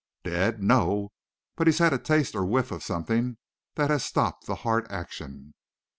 "Dead? No; but he's had a taste or whiff of something that has stopped the heart action."